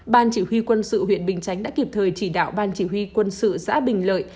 ban chỉ huy quân sự huyện bình chánh đã kịp thời chỉ đạo ban chỉ huy quân sự giã bình lợi